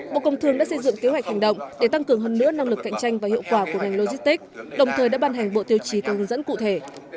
bộ công thương đã xây dựng kế hoạch hành động để tăng cường hơn nữa năng lực cạnh tranh và hiệu quả của ngành logistics đồng thời đã ban hành bộ tiêu chí theo hướng dẫn cụ thể